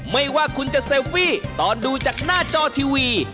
ไม่ว่าคุณจะเซลฟี่ตอนดูจากหน้าจอทีวี